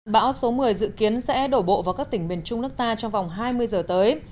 bão số một mươi dự kiến sẽ đổ bộ vào các tỉnh miền trung nước ta trong vòng hai mươi giờ tới